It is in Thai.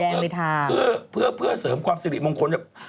สีแดงลิทาเพื่อเสริมความสิริมงคล